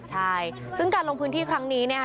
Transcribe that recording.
ใช่ซึ่งการลงพื้นที่ครั้งนี้เนี่ยค่ะ